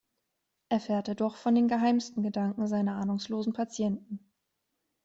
Erfährt er doch von den geheimsten Gedanken seiner ahnungslosen „Patienten“.